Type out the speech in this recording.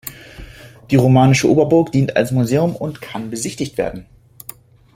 Die romanische Oberburg dient als Museum und kann besichtigt werden.